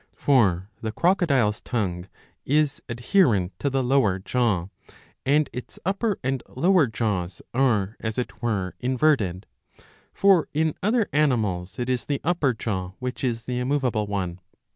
For the crocodile's tongue is adherent to the lower jaw;^ and its upper and lower jaws are as it were inverted, for in other animals it is the upper jaw which is the immoveable one.